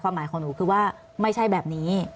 หมายของหนูคือว่าไม่ใช่แบบนี้